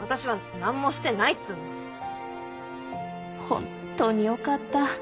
本当によかった。